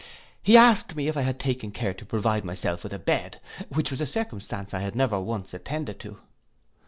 He asked me if I had taken care to provide myself with a bed, which was a circumstance I had never once attended to.